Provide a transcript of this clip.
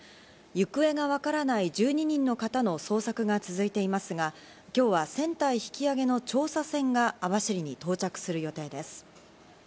行方がわからない１２人の方の捜索が続いていますが、今日は船体引き揚げの調査船が網走に到着する予定です。